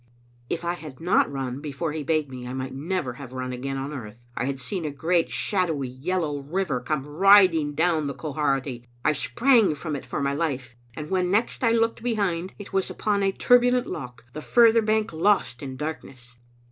" If I had not run before he bade me, I might never have run again on earth. I had seen a great shadowy yellow river come riding down the Quharity. I sprang from it for my life ; and when next I looked behind, it was upon a turbulent loch, the further bank lost in darkness.